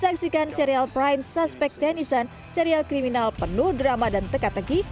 saksikan serial prime suspect tennison serial kriminal penuh drama dan teka teki